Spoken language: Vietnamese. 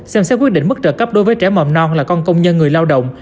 xem xét quyết định mức trợ cấp đối với trẻ mầm non là con công nhân người lao động